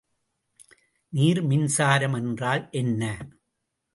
நீர்மின்சாரம் என்றால் என்ன?